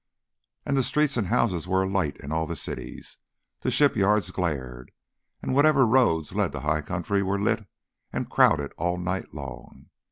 And the streets and houses were alight in all the cities, the shipyards glared, and whatever roads led to high country were lit and crowded all night long.